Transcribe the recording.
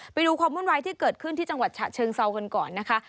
ไปดูความวุ่นวายที่เกิดขึ้นที่จังหวัดฉะเชิงเซากันก่อนนะคะ